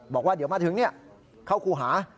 บอกว่าเดี๋ยวมาถึงเข้าครูหา